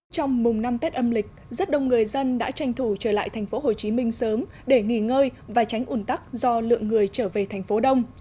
trong mùng năm tết âm lịch rất đông người dân đã tranh thủ trở lại thành phố hồ chí minh sớm để nghỉ ngơi và tránh ủn tắc do lượng người trở về thành phố đông